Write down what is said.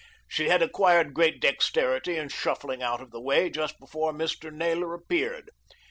She had acquired great dexterity in shuffling out of the way just before Mr. Naylor appeared.